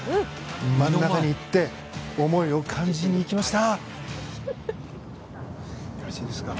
真ん中に行って思いを感じに行きました。